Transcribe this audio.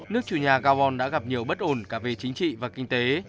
nước chủ nhà carbon đã gặp nhiều bất ổn cả về chính trị và kinh tế